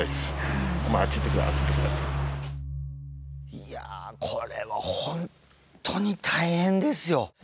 いやこれは本当に大変ですよ。